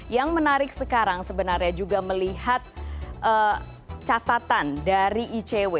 yang menarik sekarang sebenarnya juga melihat catatan dari icw